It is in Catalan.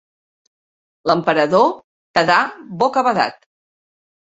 L'emperador quedà bocabadat.